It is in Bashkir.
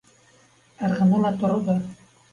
Ырғыны ла торҙо: